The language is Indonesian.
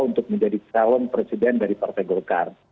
untuk menjadi calon presiden dari partai golkar